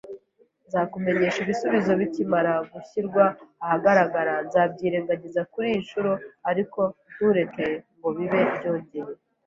Nzakumenyesha ibisubizo bikimara gushyirwa ahagaragara. Nzabyirengagiza kuriyi nshuro, ariko ntureke ngo bibe byongeye.